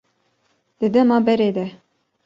Di dema berê de